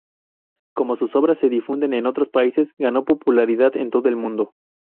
Como sus obras se difunden en otros países, ganó popularidad en todo el mundo.